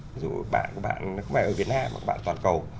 ví dụ bạn của bạn nó không phải ở việt nam mà bạn toàn cầu